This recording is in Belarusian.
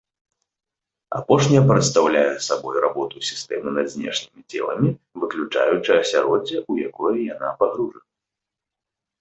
Апошняя прадстаўляе сабой работу сістэмы над знешнімі целамі, выключаючы асяроддзе, у якое яна пагружана.